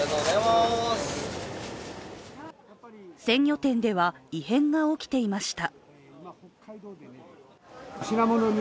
鮮魚店では、異変が起きていました。